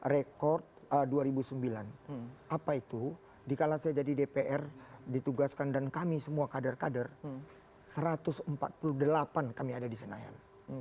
rekod dua ribu sembilan apa itu dikala saya jadi dpr ditugaskan dan kami semua kader kader satu ratus empat puluh delapan kami ada di senayan